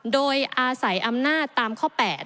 โดยอาศัยอำนาจตามข้อ๘